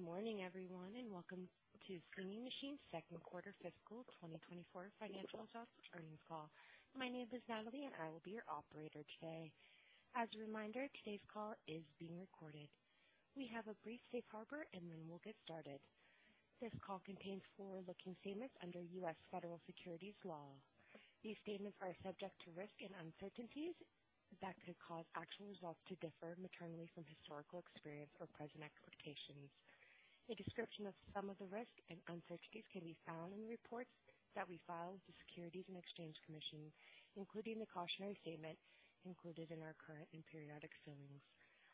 Good morning, everyone, and welcome to Singing Machine's Second Quarter Fiscal 2024 Financial Results earnings call. My name is Natalie, and I will be your operator today. As a reminder, today's call is being recorded. We have a brief safe harbor, and then we'll get started. This call contains forward-looking statements under U.S. Federal Securities law. These statements are subject to risks and uncertainties that could cause actual results to differ materially from historical experience or present expectations. A description of some of the risks and uncertainties can be found in the reports that we file with the Securities and Exchange Commission, including the cautionary statement included in our current and periodic filings.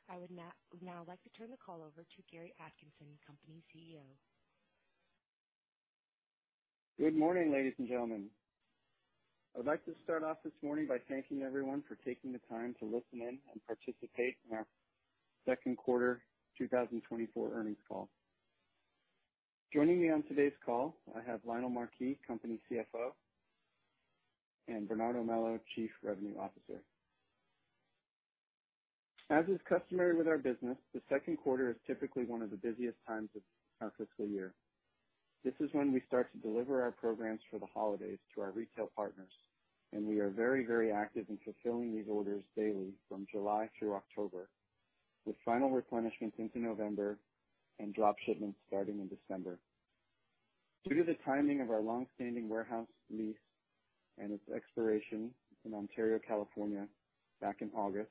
I would now like to turn the call over to Gary Atkinson, Company CEO. Good morning, ladies and gentlemen. I'd like to start off this morning by thanking everyone for taking the time to listen in and participate in our second quarter 2024 earnings call. Joining me on today's call, I have Lionel Marquis, Company CFO, and Bernardo Melo, Chief Revenue Officer. As is customary with our business, the second quarter is typically one of the busiest times of our fiscal year. This is when we start to deliver our programs for the holidays to our retail partners, and we are very, very active in fulfilling these orders daily from July through October, with final replenishment into November and drop shipments starting in December. Due to the timing of our long-standing warehouse lease and its expiration in Ontario, California, back in August,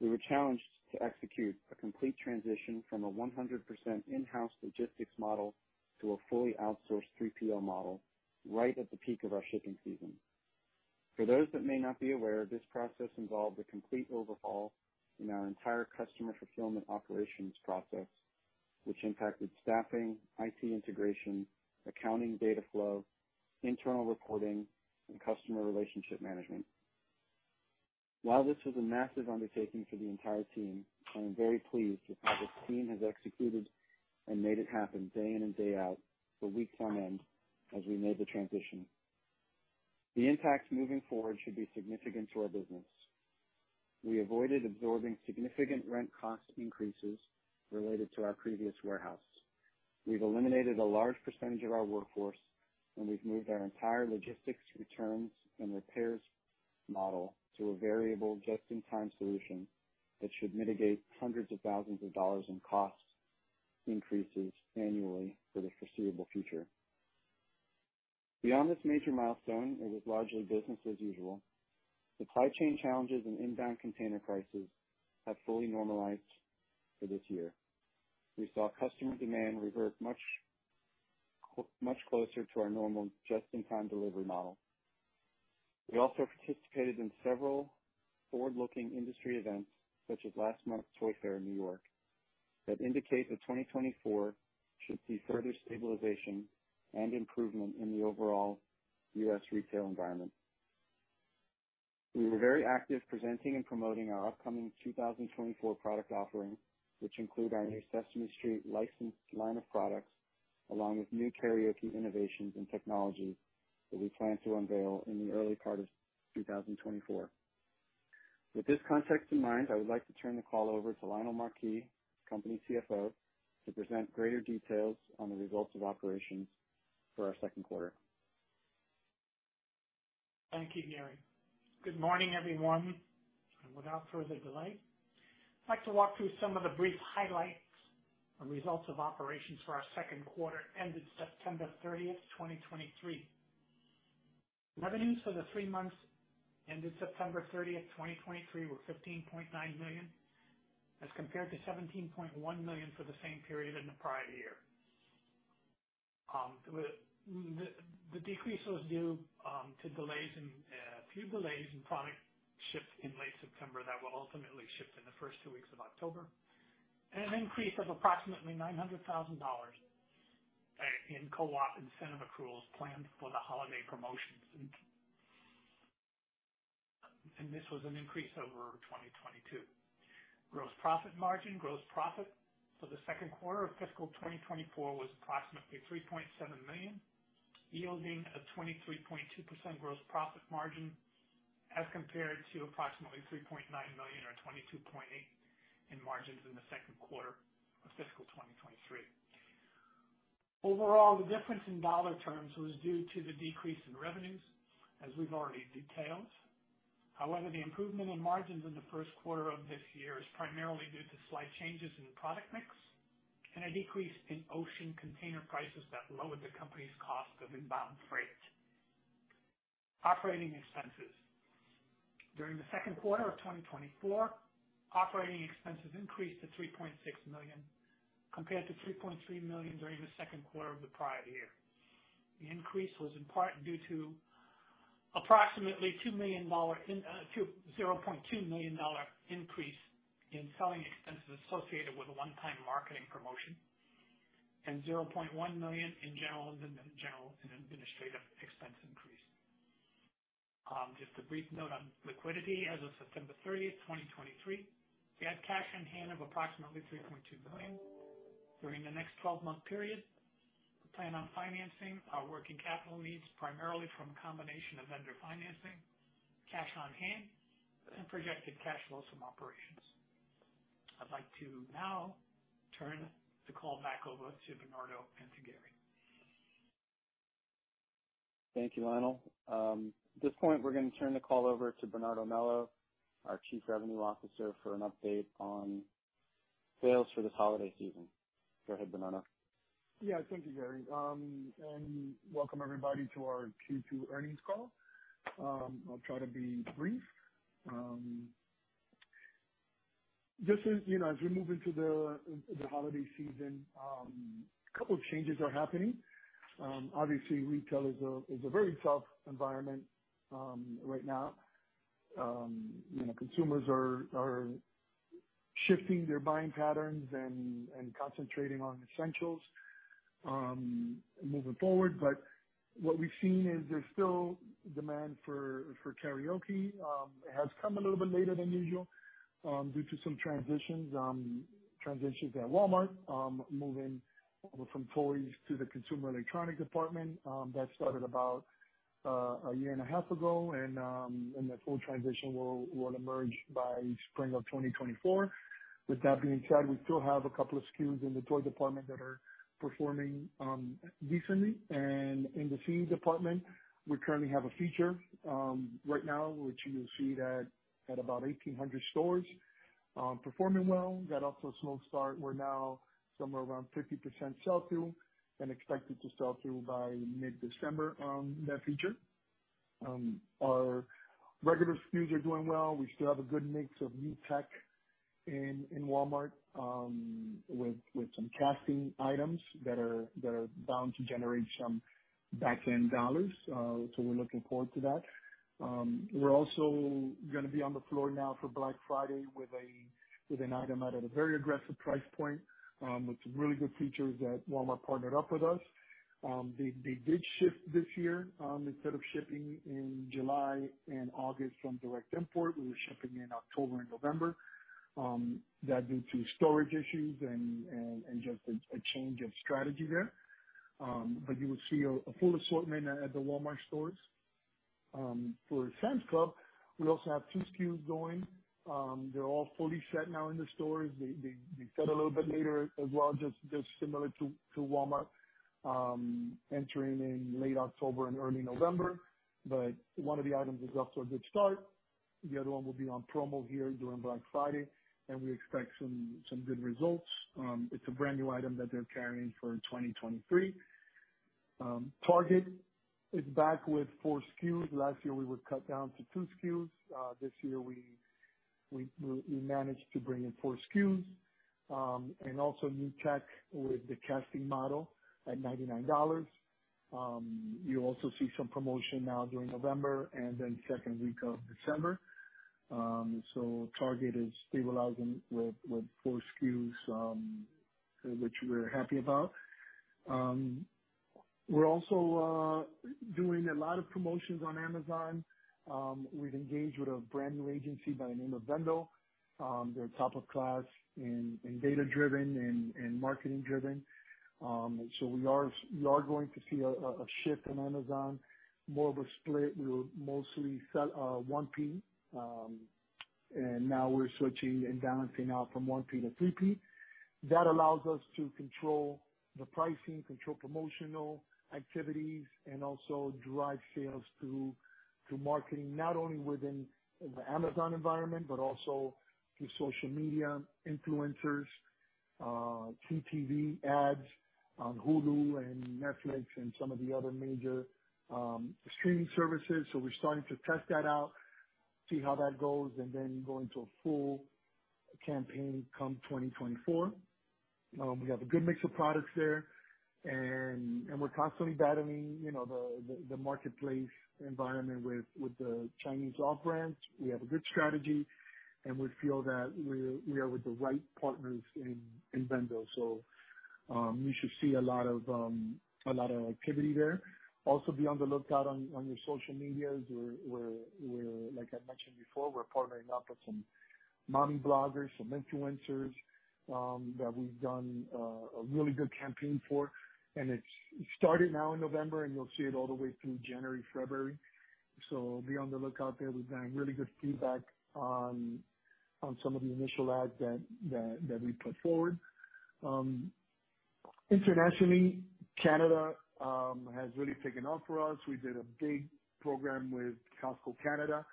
we were challenged to execute a complete transition from a 100% in-house logistics model to a fully outsourced 3PL model right at the peak of our shipping season. For those that may not be aware, this process involved a complete overhaul in our entire customer fulfillment operations process, which impacted staffing, IT integration, accounting, data flow, internal reporting, and customer relationship management. While this was a massive undertaking for the entire team, I am very pleased with how the team has executed and made it happen day in and day out, for week on end, as we made the transition. The impacts moving forward should be significant to our business. We avoided absorbing significant rent cost increases related to our previous warehouse. We've eliminated a large percentage of our workforce, and we've moved our entire logistics, returns, and repairs model to a variable just-in-time solution that should mitigate hundreds of thousands of dollars in cost increases annually for the foreseeable future. Beyond this major milestone, it was largely business as usual. The supply chain challenges and inbound container prices have fully normalized for this year. We saw customer demand revert much closer to our normal just-in-time delivery model. We also participated in several forward-looking industry events, such as last month's Toy Fair in New York, that indicate that 2024 should see further stabilization and improvement in the overall U.S. retail environment. We were very active presenting and promoting our upcoming 2024 product offerings, which include our new Sesame Street licensed line of products, along with new karaoke innovations and technologies that we plan to unveil in the early part of 2024. With this context in mind, I would like to turn the call over to Lionel Marquis, Company CFO, to present greater details on the results of operations for our second quarter. Thank you, Gary. Good morning, everyone, and without further delay, I'd like to walk through some of the brief highlights on results of operations for our second quarter ended September 30th, 2023. Revenues for the three months ended September 30th, 2023, were $15.9 million, as compared to $17.1 million for the same period in the prior year. The decrease was due to a few delays in product ships in late September that were ultimately shipped in the first two weeks of October, and an increase of approximately $900,000 in co-op incentive accruals planned for the holiday promotions. This was an increase over 2022. Gross profit margin. Gross profit for the second quarter of fiscal 2024 was approximately $3.7 million, yielding a 23.2% gross profit margin, as compared to approximately $3.9 million or 22.8% in margins in the second quarter of fiscal 2023. Overall, the difference in dollar terms was due to the decrease in revenues, as we've already detailed. However, the improvement in margins in the first quarter of this year is primarily due to slight changes in the product mix and a decrease in ocean container prices that lowered the company's cost of inbound freight. Operating expenses. During the second quarter of 2024, operating expenses increased to $3.6 million, compared to $3.3 million during the second quarter of the prior year. The increase was in part due to approximately $2 million dollar in, two... $0.2 million increase in selling expenses associated with a one-time marketing promotion and $0.1 million in general and administrative expense increase. Just a brief note on liquidity. As of September 30, 2023, we had cash on hand of approximately $3.2 million. During the next 12-month period, we plan on financing our working capital needs primarily from a combination of Vendor financing, cash on hand, and projected cash flows from operations. I'd like to now turn the call back over to Bernardo and to Gary. Thank you, Lionel. At this point, we're going to turn the call over to Bernardo Melo, our Chief Revenue Officer, for an update on sales for this holiday season. Go ahead, Bernardo. Yeah, thank you, Gary. And welcome, everybody, to our Q2 earnings call. I'll try to be brief. Just as, you know, as we move into the holiday season, a couple of changes are happening. Obviously, retail is a very tough environment right now. You know, consumers are shifting their buying patterns and concentrating on essentials, moving forward. But what we've seen is there's still demand for karaoke. It has come a little bit later than usual, due to some transitions, transitions at Walmart, moving from toys to the consumer electronics department. That started about a year and a half ago, and the full transition will emerge by spring of 2024. With that being said, we still have a couple of SKUs in the toy department that are performing decently. In the CE department, we currently have a feature right now, which you will see that at about 1,800 stores, performing well. That off to a slow start. We're now somewhere around 50% sell through and expected to sell through by mid-December on that feature. Our regular SKUs are doing well. We still have a good mix of new tech in Walmart with some casting items that are bound to generate some back-end dollars. So we're looking forward to that. We're also gonna be on the floor now for Black Friday with an item at a very aggressive price point with some really good features that Walmart partnered up with us. They did ship this year. Instead of shipping in July and August from direct import, we were shipping in October and November. That due to storage issues and just a change of strategy there. But you will see a full assortment at the Walmart stores. For Sam's Club, we also have two SKUs going. They're all fully set now in the stores. They set a little bit later as well, just similar to Walmart, entering in late October and early November, but one of the items is off to a good start. The other one will be on promo here during Black Friday, and we expect some good results. It's a brand-new item that they're carrying for 2023. Target is back with four SKUs. Last year, we were cut down to two SKUs. This year, we managed to bring in four SKUs. And also new tech with the casting model at $99. You also see some promotion now during November and then second week of December. So Target is stabilizing with four SKUs, which we're happy about. We're also doing a lot of promotions on Amazon. We've engaged with a brand new agency by the name of Vendo. They're top of class in data-driven and marketing driven. So we are going to see a shift in Amazon, more of a split. We were mostly 1P, and now we're switching and balancing out from 1P to 3P. That allows us to control the pricing, control promotional activities, and also drive sales through marketing, not only within the Amazon environment, but also through social media, influencers, CTV ads on Hulu and Netflix and some of the other major streaming services. So we're starting to test that out, see how that goes, and then go into a full campaign come 2024. We have a good mix of products there, and we're constantly battling, you know, the marketplace environment with the Chinese off brands. We have a good strategy, and we feel that we're with the right partners in Vendo. So you should see a lot of activity there. Also, be on the lookout on your social medias. We're like I mentioned before, we're partnering up with some mommy bloggers, some influencers that we've done a really good campaign for. And it's starting now in November, and you'll see it all the way through January, February. So be on the lookout there. We've gotten really good feedback on some of the initial ads that we put forward. Internationally, Canada has really taken off for us. We did a big program with Costco Canada,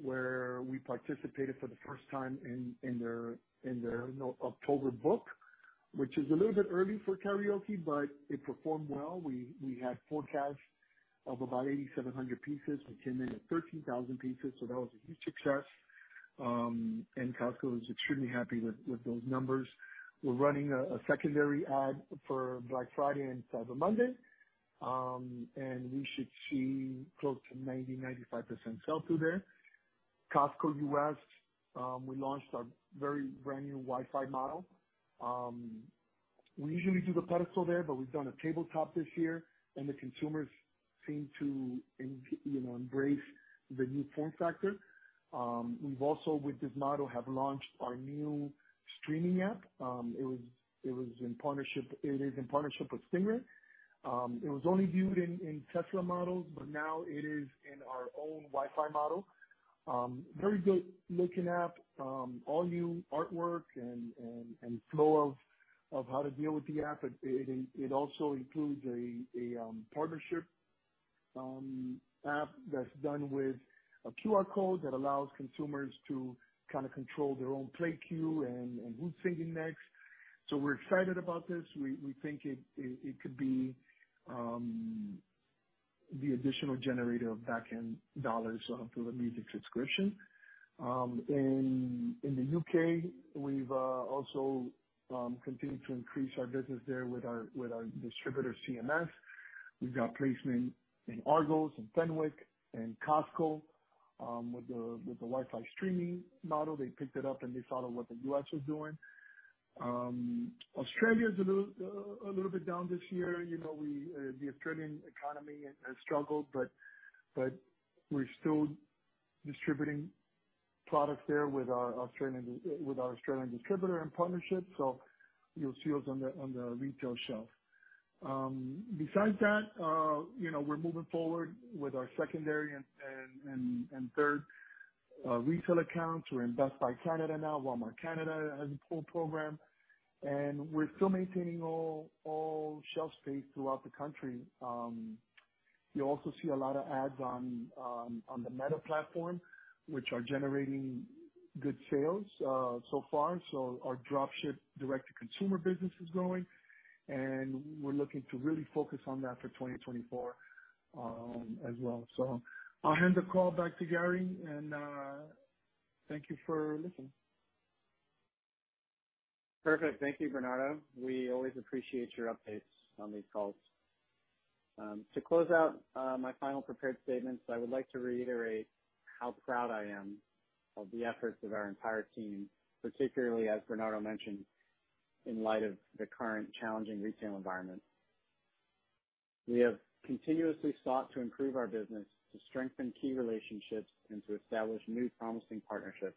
where we participated for the first time in their October book, which is a little bit early for karaoke, but it performed well. We had forecast of about 8,700 pieces. We came in at 13,000 pieces, so that was a huge success. And Costco is extremely happy with those numbers. We're running a secondary ad for Black Friday and Cyber Monday, and we should see close to 90%-95% sell-through there. Costco U.S., we launched our very brand-new Wi-Fi model. We usually do the pedestal there, but we've done a tabletop this year, and the consumers seem to, you know, embrace the new form factor. We've also, with this model, have launched our new streaming app. It is in partnership with Stingray. It was only viewed in Tesla models, but now it is in our own Wi-Fi model. Very good looking app, all new artwork and flow of how to deal with the app. It also includes a partnership app that's done with a QR code that allows consumers to kind of control their own play queue and who's singing next. So we're excited about this. We think it could be the additional generator of back-end dollars through the music subscription. In the UK, we've also continued to increase our business there with our distributor, CMS. We've got placement in Argos and Fenwick and Costco with the Wi-Fi streaming model. They picked it up, and they saw what the U.S. was doing. Australia is a little bit down this year. You know, the Australian economy has struggled, but we're still distributing products there with our Australian distributor and partnership. So you'll see us on the retail shelf. Besides that, you know, we're moving forward with our secondary and third retail accounts. We're in Best Buy Canada now. Walmart Canada has a full program, and we're still maintaining all shelf space throughout the country. You'll also see a lot of ads on the Meta platform, which are generating good sales so far. So our drop ship direct-to-consumer business is growing, and we're looking to really focus on that for 2024, as well. So I'll hand the call back to Gary and thank you for listening. Perfect. Thank you, Bernardo. We always appreciate your updates on these calls. To close out, my final prepared statements, I would like to reiterate how proud I am of the efforts of our entire team, particularly as Bernardo mentioned, in light of the current challenging retail environment. We have continuously sought to improve our business, to strengthen key relationships, and to establish new promising partnerships.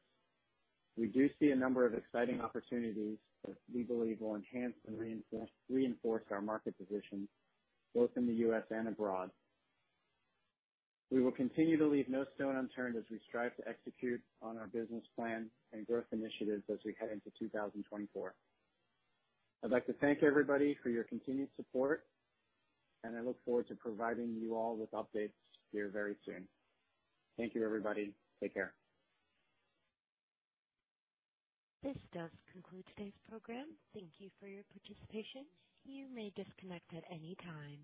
We do see a number of exciting opportunities that we believe will enhance and reinforce, reinforce our market position, both in the U.S. and abroad. We will continue to leave no stone unturned as we strive to execute on our business plan and growth initiatives as we head into 2024. I'd like to thank everybody for your continued support, and I look forward to providing you all with updates here very soon. Thank you, everybody. Take care. This does conclude today's program. Thank you for your participation. You may disconnect at any time.